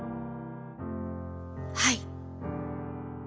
「はい」。